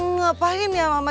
ngapain ya mama